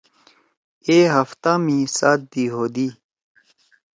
اے ہفتہ می سات دی ہودی۔